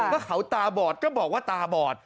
ก็เขาตาบอดก็บอกว่าตาบอด